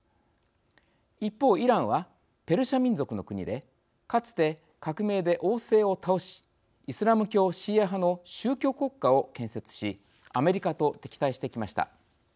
一方イランはペルシャ民族の国でかつて革命で王制を倒しイスラム教シーア派の宗教国家を建設しアメリカと敵対してきました。